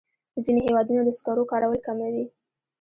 ځینې هېوادونه د سکرو کارول کموي.